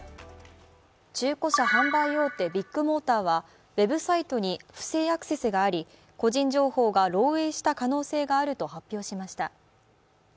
中古車販売大手・ビッグモーターはウエブサイトに不正アクセスがあり、個人情報が漏えいした可能性があると発表しました。